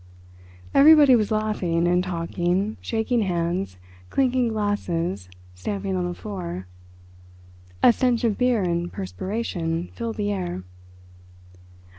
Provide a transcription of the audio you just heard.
Everybody was laughing and talking, shaking hands, clinking glasses, stamping on the floor—a stench of beer and perspiration filled the air.